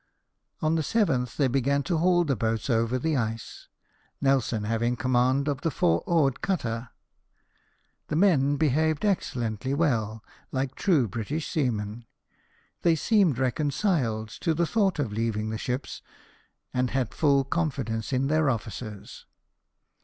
On the 7th they began to haul the boats over the ice, Nelson having command of the four oared cutter. The men behaved excellently well, like true British seamen ; they seemed reconciled to the thought of leaving the ships, and had full confidence in their officers.